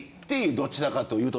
どちらかというと。